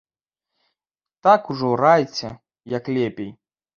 Так ужо райце, як лепей!